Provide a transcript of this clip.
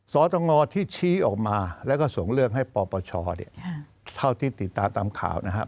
สตงที่ชี้ออกมาแล้วก็ส่งเรื่องให้ปปชเนี่ยเท่าที่ติดตามตามข่าวนะฮะ